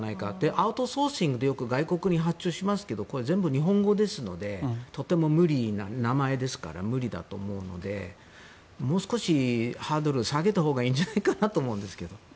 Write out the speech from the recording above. アウトソーシングでよく外国に発注しますけど名前ですから、とても無理だと思うのでもう少しハードルを下げたほうがいいんじゃないかと思うんです。